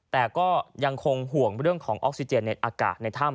แต่ก็ยังคงห่วงเรื่องของออกซิเจนในอากาศในถ้ำ